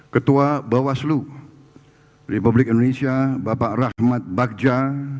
ketua bawaslu republik indonesia bapak rahmat bagja